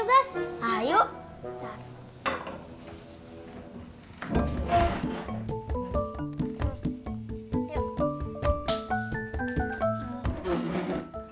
main yuk guys